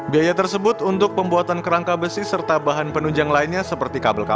biaya tersebut untuk pembuatan kerangka besi serta bahan penunjang lainnya seperti kabel kabel